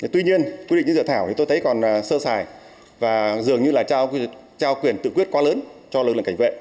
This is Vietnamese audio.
tuy nhiên quy định như dự thảo thì tôi thấy còn sơ sài và dường như là trao quyền tự quyết quá lớn cho lực lượng cảnh vệ